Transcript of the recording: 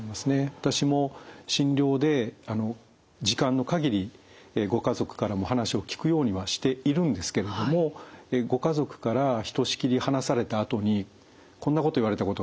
私も診療で時間の限りご家族からも話を聞くようにはしているんですけれどもご家族からひとしきり話されたあとにこんなこと言われたことがあるんです。